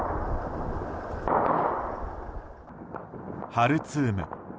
ハルツーム。